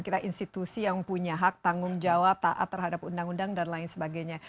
kita institusi yang punya hak tanggung jawab taat terhadap undang undang dan lain sebagainya